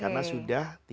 karena sudah tiga hari